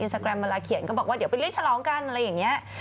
อินสติกรามมาละเขียนก็บอกว่าเดี๋ยวไปเลขสลองกันอะไรอย่างเงี้ย